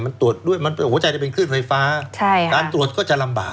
หัวใจจะเป็นคลื่นไฟฟ้าการตรวจก็จะลำบาก